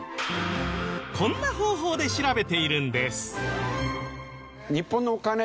こんな方法で調べているんです。